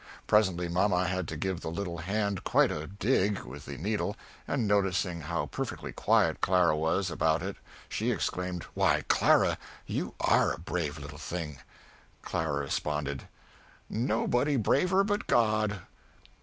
presently mamma had to give the little hand quite a dig with the needle and noticing how perfectly quiet Clara was about it she exclaimed, Why Clara! you are a brave little thing! Clara responded "No bodys braver but God!"